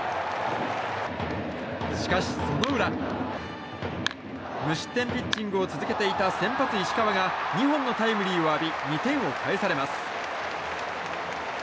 しかし、その裏無失点ピッチングを続けていた先発、石川が２本のタイムリーを浴び２点を返されます。